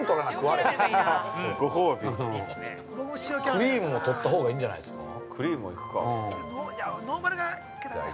クリームも取ったほうがいいんじゃないすか。